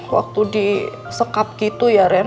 waktu di sekap gitu ya ren